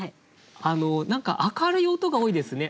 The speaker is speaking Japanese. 何か明るい音が多いですね。